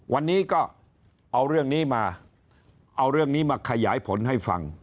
วันนี้ก็เอาเรื่องนี้มาเอาเรื่องนี้มาขยายผลให้ฟัง